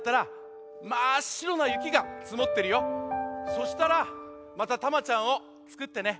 そしたらまたタマちゃんをつくってね。